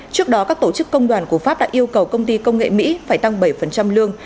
trước đó các tổ chức công đoàn của pháp đã yêu cầu công ty công nghệ mỹ phải tăng bảy lương